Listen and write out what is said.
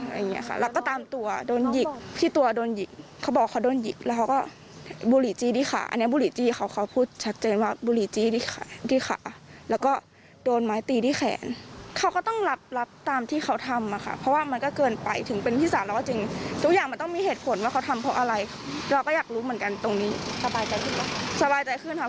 อะไรอย่างเงี้ยค่ะแล้วก็ตามตัวโดนหยิกที่ตัวโดนหยิกเขาบอกเขาโดนหยิกแล้วเขาก็บุหรี่จี้ที่ขาอันนี้บุหรี่จี้เขาเขาพูดชัดเจนว่าบุหรี่จี้ที่ขาที่ขาแล้วก็โดนไม้ตีที่แขนเขาก็ต้องรับรับตามที่เขาทำอ่ะค่ะเพราะว่ามันก็เกินไปถึงเป็นพี่สาวเราก็จริงทุกอย่างมันต้องมีเหตุผลว่าเขาทำเพราะอะไรเราก็อยากรู้เหมือนกันตรงนี้สบายใจขึ้นป่ะสบายใจขึ้นค่ะ